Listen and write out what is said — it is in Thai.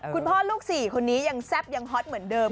คุณพ่อลูก๔คนนี้ยังแซ่บยังฮอตเหมือนเดิม